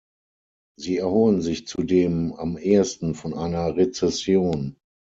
Sie erholen sich zudem am ehesten von einer Rezession.